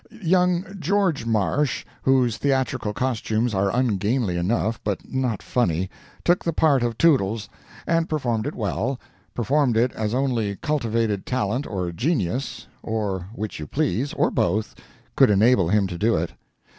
Young George Marsh—whose theatrical costumes are ungainly enough, but not funny—took the part of Toodles, and performed it well—performed it as only cultivated talent, or genius, or which you please, or both, could enable him to do it.